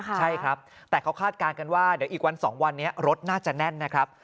ใช่ครับแต่เขาคาดการณ์กันว่าเดี๋ยวอีกวัน๒วันนี้รถน่าจะแน่นนะครับ